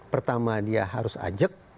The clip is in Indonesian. pertama dia harus ajak